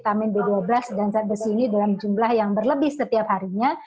kamen b dua belas dan zat besi ini dalam jumlah yang berlebih setiap harinya